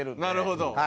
なるほど。